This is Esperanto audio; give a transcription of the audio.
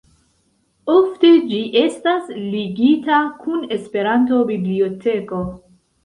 Ofte ĝi estas ligita kun Esperanto-biblioteko.